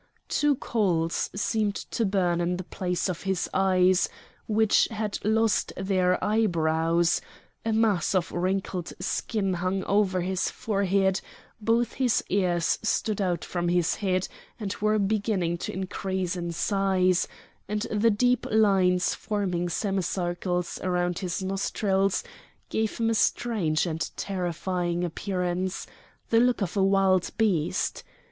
Two coals seemed to burn in the place of his eyes, which had lost their eyebrows; a mass of wrinkled skin hung over his forehead; both his ears stood out from his head and were beginning to increase in size; and the deep lines forming semicircles round his nostrils gave him a strange and terrifying appearance, the look of a wild beast.